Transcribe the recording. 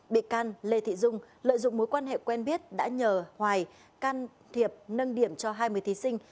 bị can lê thị dung lợi dụng mối quan hệ quen biết đã nhờ hoài can thiệp nâng điểm cho hai mươi thí sinh